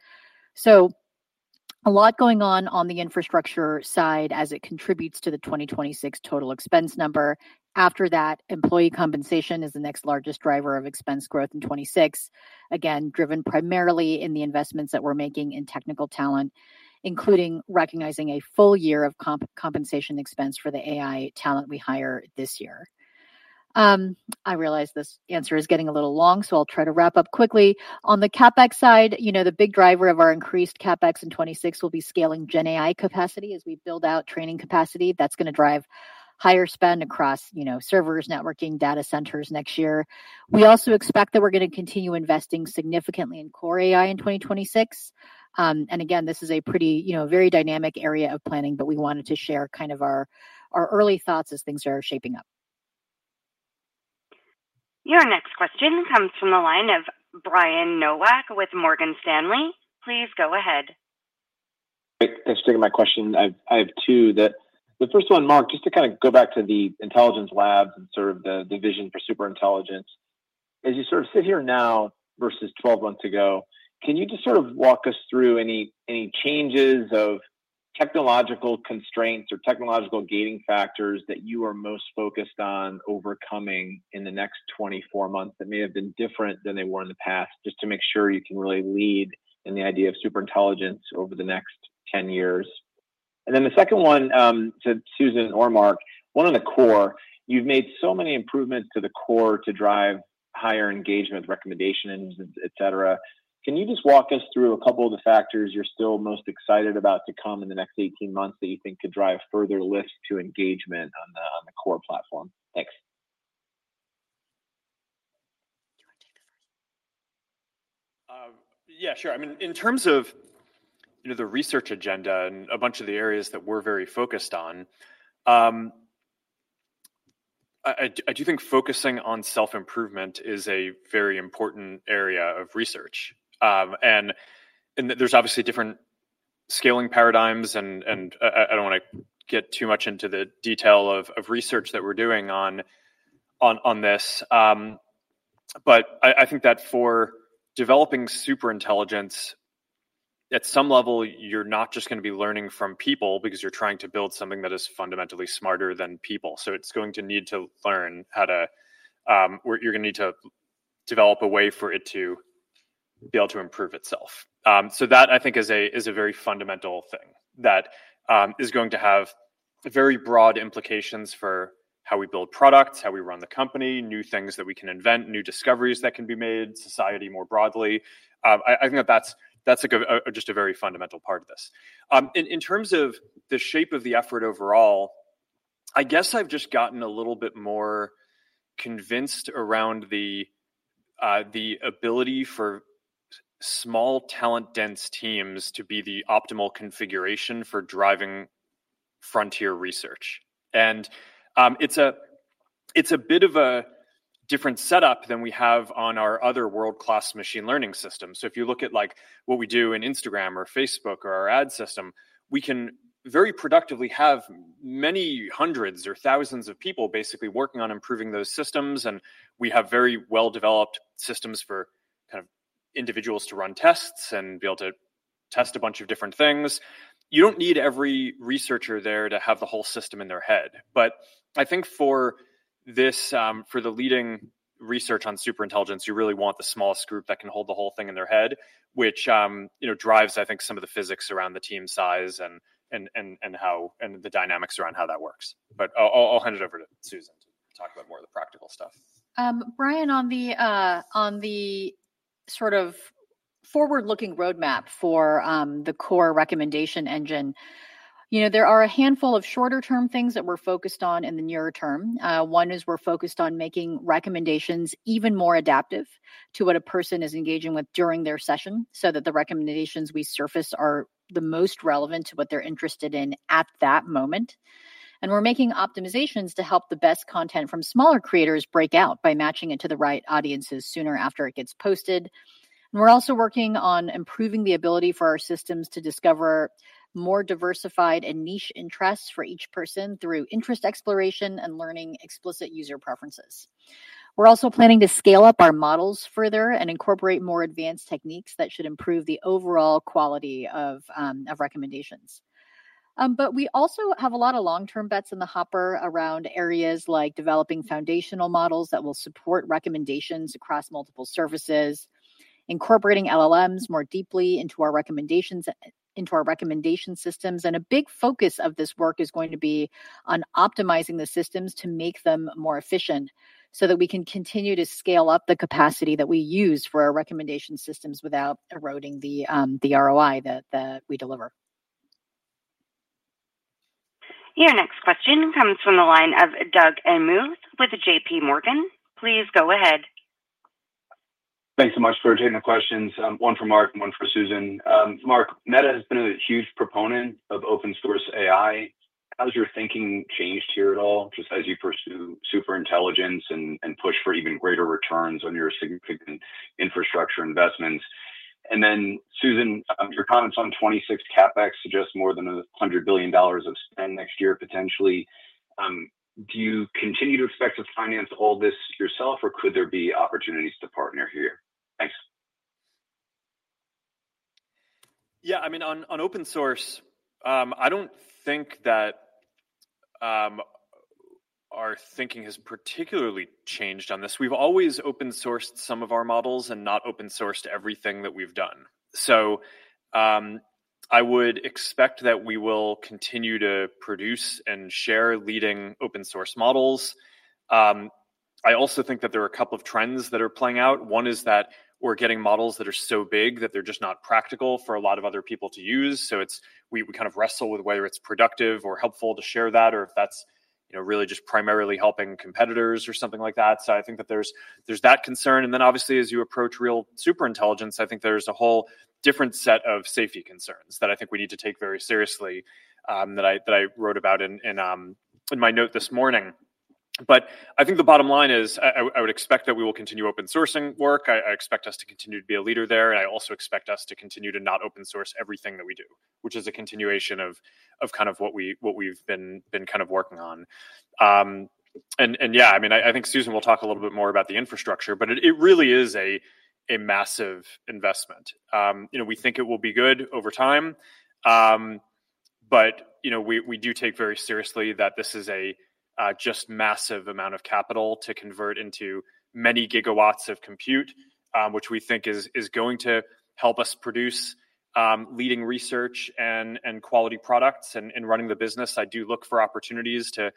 A lot is going on on the infrastructure side as it contributes to the 2026 total expense number. After that, employee compensation is the next largest driver of expense growth in 2026, again, driven primarily in the investments that we're making in technical talent, including recognizing a full year of compensation expense for the AI talent we hire this year. I realize this answer is getting a little long, so I'll try to wrap up quickly. On the CapEx side, the big driver of our increased CapEx in 2026 will be scaling GenAI capacity as we build out training capacity. That's going to drive higher spend across servers, networking, data centers next year. We also expect that we're going to continue investing significantly in core AI in 2026. This is a very dynamic area of planning, but we wanted to share kind of our early thoughts as things are shaping up. Your next question comes from the line of Brian Nowak with Morgan Stanley. Please go ahead. Thanks for taking my question. I have two. The first one, Mark, just to kind of go back to the intelligence labs and sort of the vision for superintelligence. As you sort of sit here now versus 12 months ago, can you just sort of walk us through any changes of technological constraints or technological gating factors that you are most focused on overcoming in the next 24 months that may have been different than they were in the past, just to make sure you can really lead in the idea of superintelligence over the next 10 years? The second one to Susan or Mark, one of the core, you've made so many improvements to the core to drive higher engagement, recommendations, etc. Can you just walk us through a couple of the factors you're still most excited about to come in the next 18 months that you think could drive further lifts to engagement on the core platform? Thanks. Do you want to take the first? Yeah, sure. I mean, in terms of the research agenda and a bunch of the areas that we're very focused on, I do think focusing on self-improvement is a very important area of research. There are obviously different scaling paradigms, and I don't want to get too much into the detail of research that we're doing on this. I think that for developing superintelligence, at some level, you're not just going to be learning from people because you're trying to build something that is fundamentally smarter than people. It's going to need to learn how to, you're going to need to develop a way for it to be able to improve itself. That, I think, is a very fundamental thing that is going to have very broad implications for how we build products, how we run the company, new things that we can invent, new discoveries that can be made, society more broadly. I think that that's just a very fundamental part of this. In terms of the shape of the effort overall, I guess I've just gotten a little bit more convinced around the ability for small talent-dense teams to be the optimal configuration for driving frontier research. It's a bit of a different setup than we have on our other world-class machine learning systems. If you look at what we do in Instagram or Facebook or our ad system, we can very productively have many hundreds or thousands of people basically working on improving those systems. We have very well-developed systems for kind of individuals to run tests and be able to test a bunch of different things. You do not need every researcher there to have the whole system in their head. I think for the leading research on superintelligence, you really want the smallest group that can hold the whole thing in their head, which drives, I think, some of the physics around the team size and the dynamics around how that works. I will hand it over to Susan to talk about more of the practical stuff. Brian, on the sort of forward-looking roadmap for the core recommendation engine, there are a handful of shorter-term things that we are focused on in the near term. One is we're focused on making recommendations even more adaptive to what a person is engaging with during their session so that the recommendations we surface are the most relevant to what they're interested in at that moment. We're making optimizations to help the best content from smaller creators break out by matching it to the right audiences sooner after it gets posted. We're also working on improving the ability for our systems to discover more diversified and niche interests for each person through interest exploration and learning explicit user preferences. We're also planning to scale up our models further and incorporate more advanced techniques that should improve the overall quality of recommendations. We also have a lot of long-term bets in the hopper around areas like developing foundational models that will support recommendations across multiple services, incorporating LLMs more deeply into our recommendation systems. A big focus of this work is going to be on optimizing the systems to make them more efficient so that we can continue to scale up the capacity that we use for our recommendation systems without eroding the ROI that we deliver. Your next question comes from the line of Doug Anmuth with JPMorgan. Please go ahead. Thanks so much for taking the questions. One for Mark and one for Susan. Mark, Meta has been a huge proponent of open-source AI. How has your thinking changed here at all just as you pursue superintelligence and push for even greater returns on your significant infrastructure investments? Susan, your comments on 2026 CapEx suggest more than $100 billion of spend next year potentially. Do you continue to expect to finance all this yourself, or could there be opportunities to partner here? Thanks. Yeah, I mean, on open source, I do not think that our thinking has particularly changed on this. We have always open-sourced some of our models and not open-sourced everything that we have done. I would expect that we will continue to produce and share leading open-source models. I also think that there are a couple of trends that are playing out. One is that we are getting models that are so big that they are just not practical for a lot of other people to use. We kind of wrestle with whether it is productive or helpful to share that or if that is really just primarily helping competitors or something like that. I think that there is that concern. Obviously, as you approach real superintelligence, I think there is a whole different set of safety concerns that I think we need to take very seriously that I wrote about in my note this morning. I think the bottom line is I would expect that we will continue open-sourcing work. I expect us to continue to be a leader there. I also expect us to continue to not open-source everything that we do, which is a continuation of kind of what we have been kind of working on. Yeah, I mean, I think Susan will talk a little bit more about the infrastructure, but it really is a massive investment. We think it will be good over time. We do take very seriously that this is a just massive amount of capital to convert into many gigawatts of compute, which we think is going to help us produce leading research and quality products and running the business. I do look for opportunities to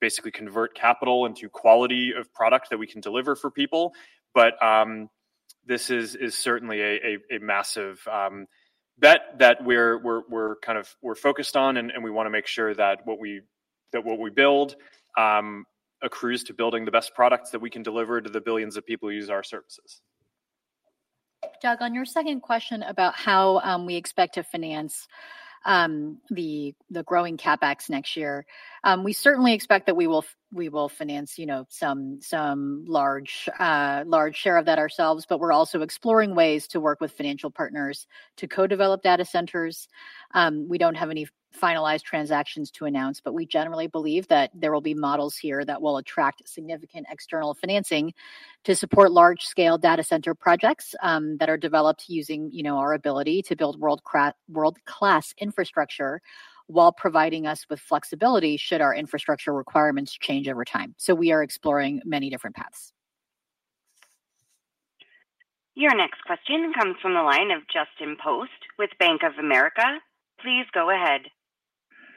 basically convert capital into quality of product that we can deliver for people. This is certainly a massive bet that we're kind of focused on, and we want to make sure that what we build accrues to building the best products that we can deliver to the billions of people who use our services. Doug, on your second question about how we expect to finance the growing CapEx next year, we certainly expect that we will finance some large share of that ourselves. We're also exploring ways to work with financial partners to co-develop data centers. We do not have any finalized transactions to announce, but we generally believe that there will be models here that will attract significant external financing to support large-scale data center projects that are developed using our ability to build world-class infrastructure while providing us with flexibility should our infrastructure requirements change over time. We are exploring many different paths. Your next question comes from the line of Justin Post with Bank of America. Please go ahead.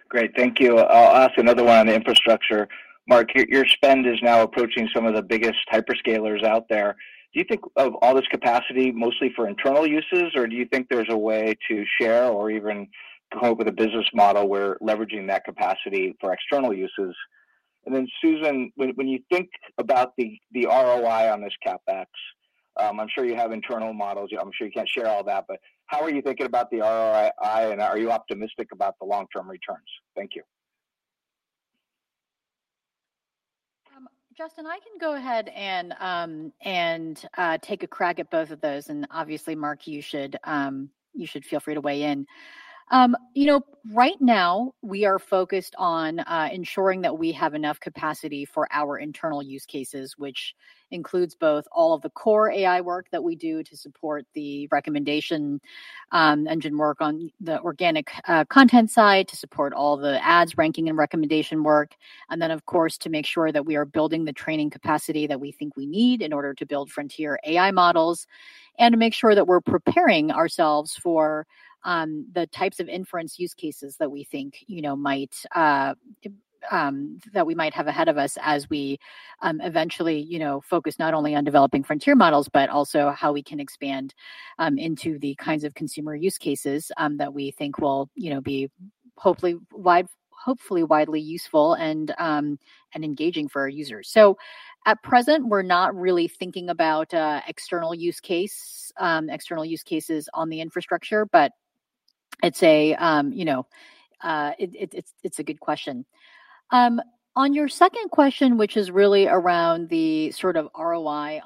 Great. Thank you. I'll ask another one on the infrastructure. Mark, your spend is now approaching some of the biggest hyperscalers out there. Do you think of all this capacity mostly for internal uses, or do you think there's a way to share or even come up with a business model where leveraging that capacity for external uses? Then, Susan, when you think about the ROI on this CapEx, I'm sure you have internal models. I'm sure you can't share all that. How are you thinking about the ROI, and are you optimistic about the long-term returns? Thank you. Justin, I can go ahead and take a crack at both of those. Obviously, Mark, you should feel free to weigh in. Right now, we are focused on ensuring that we have enough capacity for our internal use cases, which includes both all of the core AI work that we do to support the recommendation engine work on the organic content side to support all the ads, ranking, and recommendation work, and then, of course, to make sure that we are building the training capacity that we think we need in order to build frontier AI models and to make sure that we're preparing ourselves for the types of inference use cases that we think that we might have ahead of us as we eventually focus not only on developing frontier models, but also how we can expand into the kinds of consumer use cases that we think will be hopefully widely useful and engaging for our users. At present, we're not really thinking about external use cases on the infrastructure, but it's a good question. On your second question, which is really around the sort of ROI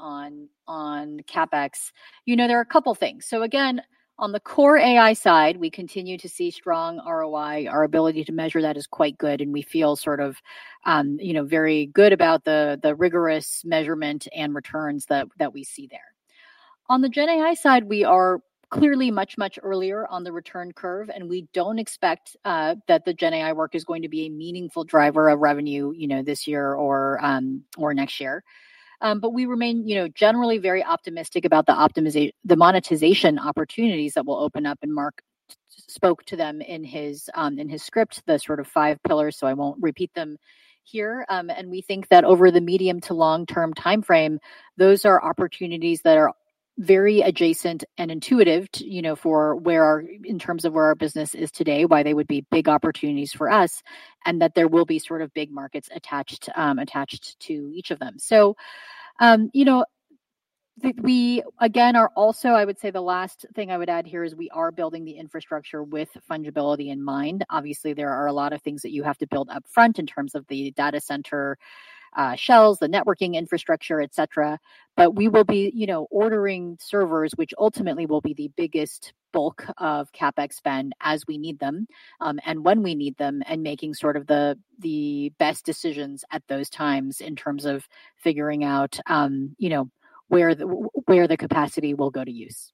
on CapEx, there are a couple of things. Again, on the core AI side, we continue to see strong ROI. Our ability to measure that is quite good, and we feel sort of very good about the rigorous measurement and returns that we see there. On the GenAI side, we are clearly much, much earlier on the return curve, and we don't expect that the GenAI work is going to be a meaningful driver of revenue this year or next year. We remain generally very optimistic about the monetization opportunities that will open up. Mark spoke to them in his script, the sort of five pillars, so I won't repeat them here. We think that over the medium to long-term timeframe, those are opportunities that are very adjacent and intuitive for in terms of where our business is today, why they would be big opportunities for us, and that there will be sort of big markets attached to each of them. We, again, are also, I would say the last thing I would add here is we are building the infrastructure with fungibility in mind. Obviously, there are a lot of things that you have to build upfront in terms of the data center shells, the networking infrastructure, etc. We will be ordering servers, which ultimately will be the biggest bulk of CapEx spend as we need them and when we need them and making sort of the best decisions at those times in terms of figuring out where the capacity will go to use.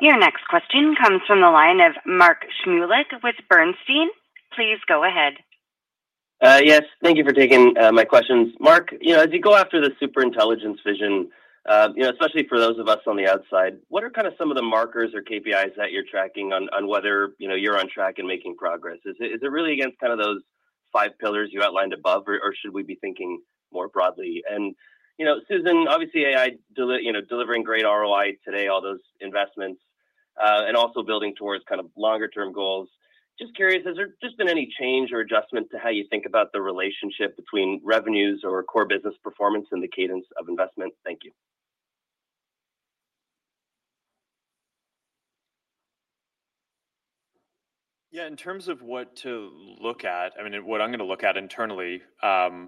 Your next question comes from the line of Mark Shmulik with Bernstein. Please go ahead. Yes. Thank you for taking my questions. Mark, as you go after the superintelligence vision, especially for those of us on the outside, what are kind of some of the markers or KPIs that you're tracking on whether you're on track and making progress? Is it really against kind of those five pillars you outlined above, or should we be thinking more broadly? And Susan, obviously, AI delivering great ROI today, all those investments, and also building towards kind of longer-term goals. Just curious, has there just been any change or adjustment to how you think about the relationship between revenues or core business performance and the cadence of investment? Thank you. Yeah, in terms of what to look at, I mean, what I'm going to look at internally, the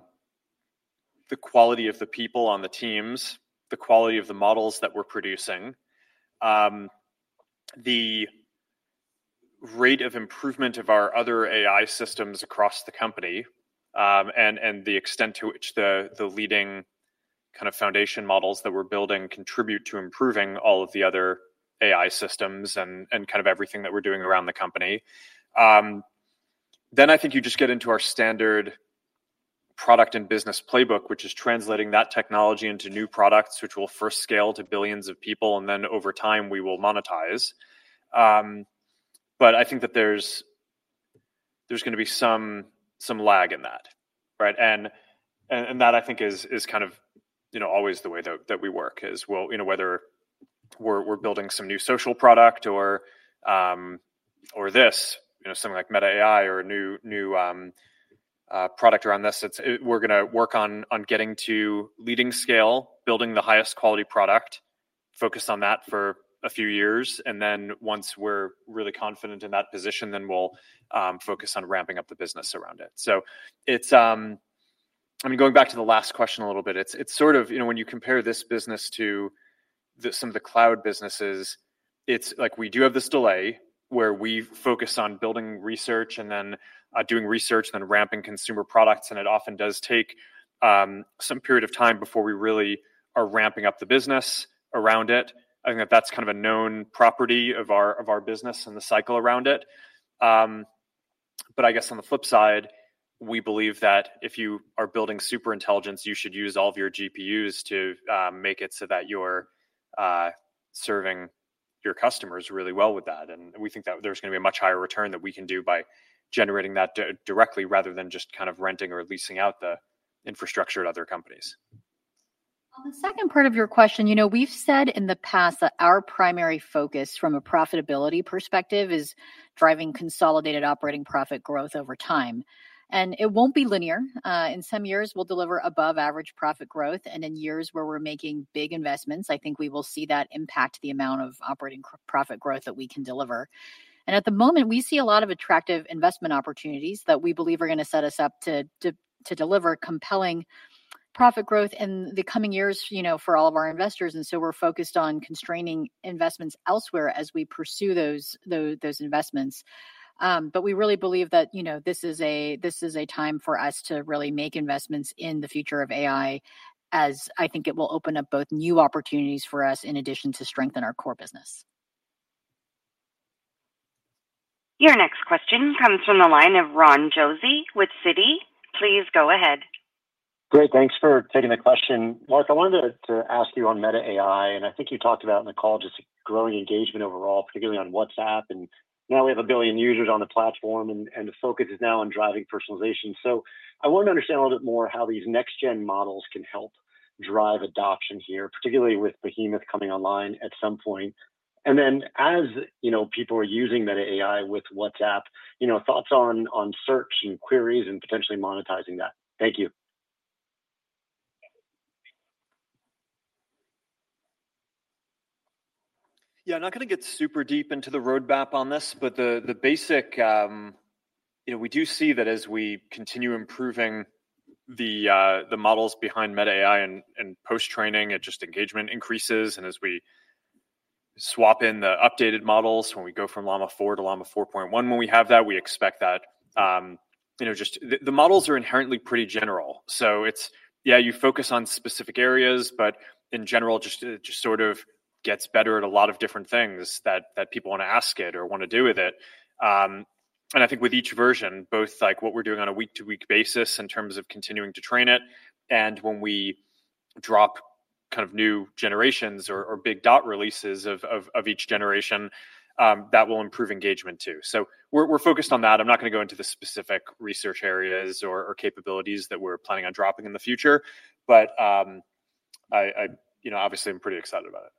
quality of the people on the teams, the quality of the models that we're producing, the rate of improvement of our other AI systems across the company, and the extent to which the leading kind of foundation models that we're building contribute to improving all of the other AI systems and kind of everything that we're doing around the company. I think you just get into our standard product and business playbook, which is translating that technology into new products, which will first scale to billions of people, and then over time, we will monetize. I think that there's going to be some lag in that, right? That, I think, is kind of always the way that we work, is whether we're building some new social product or this, something like Meta AI or a new product around this. We're going to work on getting to leading scale, building the highest quality product, focus on that for a few years. Once we're really confident in that position, then we'll focus on ramping up the business around it. I mean, going back to the last question a little bit, it's sort of when you compare this business to some of the cloud businesses, it's like we do have this delay where we focus on building research and then doing research and then ramping consumer products. It often does take some period of time before we really are ramping up the business around it. I think that that's kind of a known property of our business and the cycle around it. I guess on the flip side, we believe that if you are building superintelligence, you should use all of your GPUs to make it so that you're serving your customers really well with that. We think that there's going to be a much higher return that we can do by generating that directly rather than just kind of renting or leasing out the infrastructure at other companies. On the second part of your question, we've said in the past that our primary focus from a profitability perspective is driving consolidated operating profit growth over time. It won't be linear. In some years, we'll deliver above-average profit growth. In years where we're making big investments, I think we will see that impact the amount of operating profit growth that we can deliver. At the moment, we see a lot of attractive investment opportunities that we believe are going to set us up to deliver compelling profit growth in the coming years for all of our investors. We are focused on constraining investments elsewhere as we pursue those investments. We really believe that this is a time for us to really make investments in the future of AI, as I think it will open up both new opportunities for us in addition to strengthen our core business. Your next question comes from the line of Ron Josey with Citi. Please go ahead. Great. Thanks for taking the question. Mark, I wanted to ask you on Meta AI, and I think you talked about in the call just growing engagement overall, particularly on WhatsApp. And now we have a billion users on the platform, and the focus is now on driving personalization. I want to understand a little bit more how these next-gen models can help drive adoption here, particularly with Behemoth coming online at some point. As people are using Meta AI with WhatsApp, thoughts on search and queries and potentially monetizing that? Thank you. Yeah, I'm not going to get super deep into the roadmap on this, but the basic, we do see that as we continue improving the models behind Meta AI and post-training, just engagement increases. As we swap in the updated models when we go from Llama 4 to Llama 4.1, when we have that, we expect that just the models are inherently pretty general. Yeah, you focus on specific areas, but in general, it just sort of gets better at a lot of different things that people want to ask it or want to do with it. I think with each version, both what we're doing on a week-to-week basis in terms of continuing to train it, and when we drop kind of new generations or big dot releases of each generation, that will improve engagement too. We're focused on that. I'm not going to go into the specific research areas or capabilities that we're planning on dropping in the future, but obviously, I'm pretty excited about it.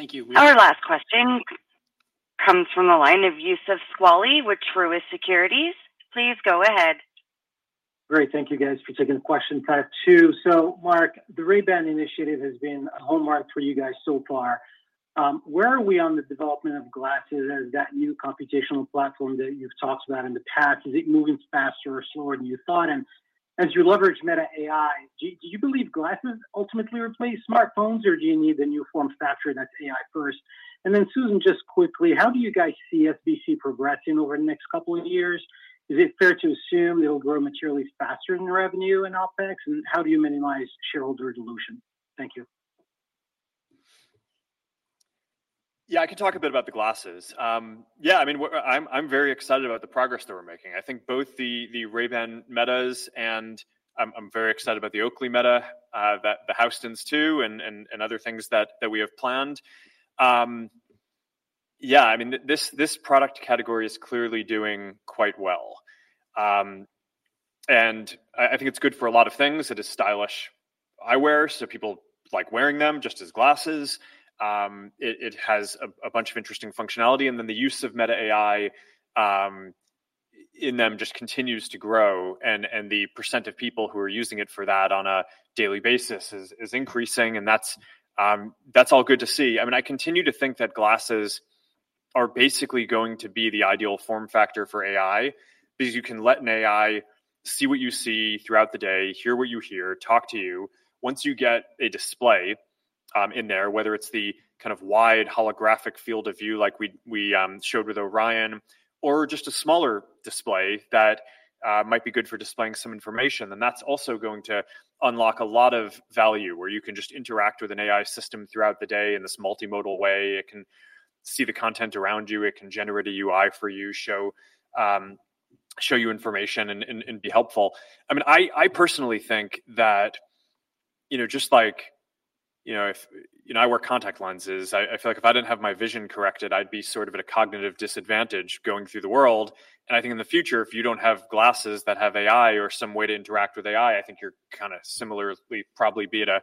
Thank you. Our last question comes from the line of Youssef Squali with Truist Securities. Please go ahead. Great. Thank you, guys, for taking the question. I have two. So Mark, the Ray-Ban initiative has been a hallmark for you guys so far. Where are we on the development of glasses as that new computational platform that you've talked about in the past? Is it moving faster or slower than you thought? As you leverage Meta AI, do you believe glasses ultimately replace smartphones, or do you need the new form factor that's AI-first? Susan, just quickly, how do you guys see SBC progressing over the next couple of years? Is it fair to assume it'll grow materially faster than revenue and OpEx? How do you minimize shareholder dilution? Thank you. Yeah, I can talk a bit about the glasses. Yeah, I mean, I'm very excited about the progress that we're making. I think both the Ray-Ban Metas and I'm very excited about the Oakley Meta HSTNs too, and other things that we have planned. Yeah, I mean, this product category is clearly doing quite well. I think it's good for a lot of things. It is stylish eyewear, so people like wearing them just as glasses. It has a bunch of interesting functionality. The use of Meta AI in them just continues to grow. The % of people who are using it for that on a daily basis is increasing. That's all good to see. I mean, I continue to think that glasses are basically going to be the ideal form factor for AI because you can let an AI see what you see throughout the day, hear what you hear, talk to you. Once you get a display in there, whether it's the kind of wide holographic field of view like we showed with Orion, or just a smaller display that might be good for displaying some information, then that's also going to unlock a lot of value where you can just interact with an AI system throughout the day in this multimodal way. It can see the content around you. It can generate a UI for you, show you information, and be helpful. I mean, I personally think that just like I wear contact lenses, I feel like if I didn't have my vision corrected, I'd be sort of at a cognitive disadvantage going through the world. I think in the future, if you don't have glasses that have AI or some way to interact with AI, I think you're kind of similarly probably be at a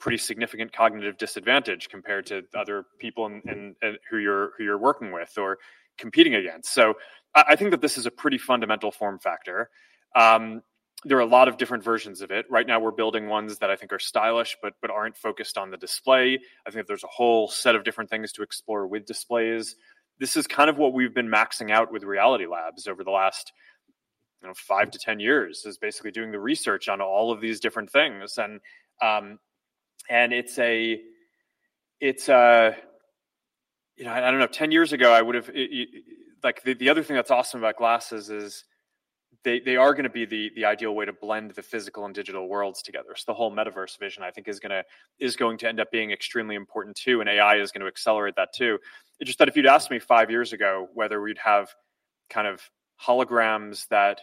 pretty significant cognitive disadvantage compared to other people who you're working with or competing against. I think that this is a pretty fundamental form factor. There are a lot of different versions of it. Right now, we're building ones that I think are stylish but aren't focused on the display. I think there's a whole set of different things to explore with displays. This is kind of what we've been maxing out with Reality Labs over the last five to 10 years is basically doing the research on all of these different things. I don't know, 10 years ago, I would have the other thing that's awesome about glasses is they are going to be the ideal way to blend the physical and digital worlds together. The whole metaverse vision, I think, is going to end up being extremely important too. AI is going to accelerate that too. It's just that if you'd asked me five years ago whether we'd have kind of holograms that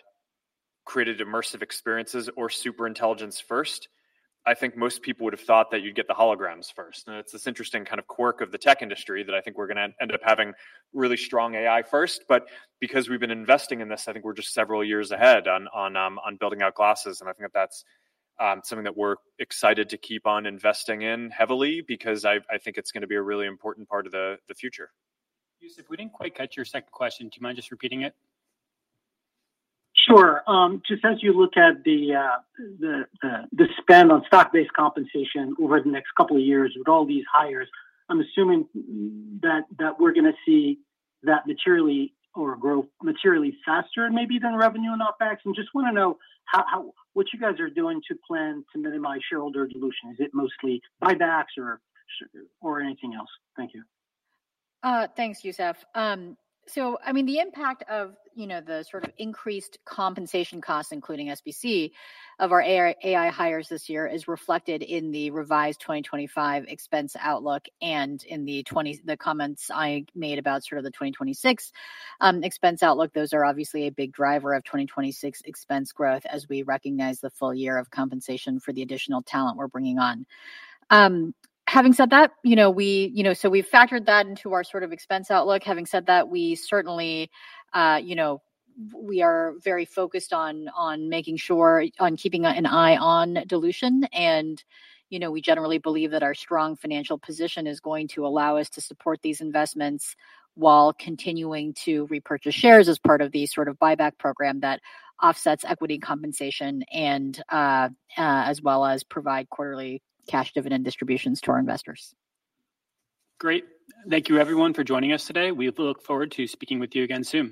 created immersive experiences or superintelligence first, I think most people would have thought that you'd get the holograms first. It's this interesting kind of quirk of the tech industry that I think we're going to end up having really strong AI first. Because we've been investing in this, I think we're just several years ahead on building out glasses. I think that that's something that we're excited to keep on investing in heavily because I think it's going to be a really important part of the future. Youssef, we didn't quite catch your second question. Do you mind just repeating it? Sure. Just as you look at the spend on stock-based compensation over the next couple of years with all these hires, I'm assuming that we're going to see that grow materially faster maybe than revenue and OpEx. I just want to know what you guys are doing to plan to minimize shareholder dilution. Is it mostly buybacks or anything else? Thank you. Thanks, Youssef. I mean, the impact of the sort of increased compensation costs, including SBC, of our AI hires this year is reflected in the revised 2025 expense outlook and in the comments I made about the 2026 expense outlook. Those are obviously a big driver of 2026 expense growth as we recognize the full year of compensation for the additional talent we're bringing on. Having said that, we've factored that into our expense outlook. Having said that, we are very focused on making sure on keeping an eye on dilution. We generally believe that our strong financial position is going to allow us to support these investments while continuing to repurchase shares as part of the buyback program that offsets equity compensation as well as provide quarterly cash dividend distributions to our investors. Great. Thank you, everyone, for joining us today. We look forward to speaking with you again soon.